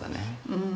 うん。